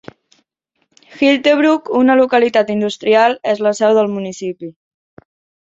Hyltebruk, una localitat industrial, és la seu del municipi.